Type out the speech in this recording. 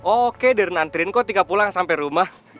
oke deren nganterin kok tika pulang sampe rumah